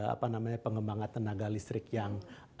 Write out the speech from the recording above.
apa namanya pengembangan tenaga listrik yang